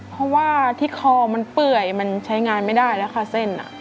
เพราะว่าที่คอมันเปื่อยมันใช้งานไม่ได้แล้วค่ะเส้น